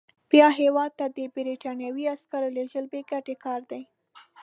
بیا هیواد ته د برټانوي عسکرو لېږل بې ګټې کار دی.